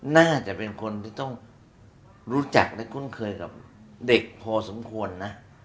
น่าจะเป็นคนที่ต้องรู้จักและคุ้นเคยกับเด็กพอสมควรนะ